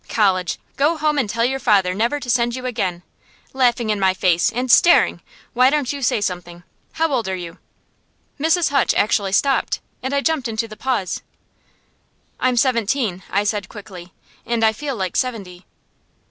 College! Go home and tell your father never to send you again. Laughing in my face and staring! Why don't you say something? How old are you?" Mrs. Hutch actually stopped, and I jumped into the pause. "I'm seventeen," I said quickly, "and I feel like seventy."